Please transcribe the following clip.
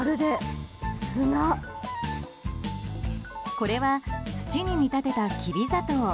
これは土に見立てたキビ砂糖。